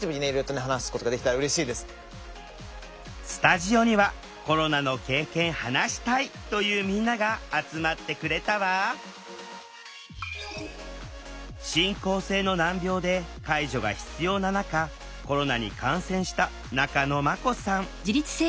スタジオにはコロナの経験話したいというみんなが集まってくれたわ進行性の難病で介助が必要な中コロナに感染した中野まこさん。